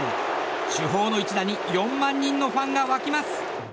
主砲の一打に４万人のファンが沸きます。